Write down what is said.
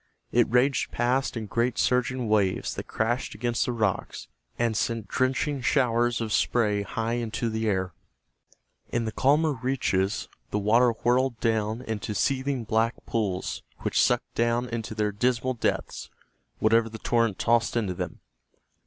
It raged past in great surging waves that crashed against the rocks and sent drenching showers of spray high into the air. In the calmer reaches the water whirled down into seething black pools which sucked down into their dismal depths whatever the torrent tossed into them.